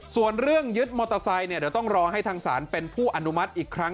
ส่วนเรื่องยึดมอเตอร์ไซค์เนี่ยเดี๋ยวต้องรอให้ทางศาลเป็นผู้อนุมัติอีกครั้ง